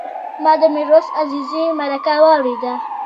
ما د میرویس عزیزي مرکه واورېده.